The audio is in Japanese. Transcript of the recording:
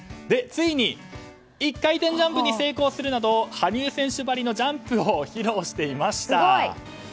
ついに１回転ジャンプに成功するなど羽生選手ばりのジャンプを披露していました。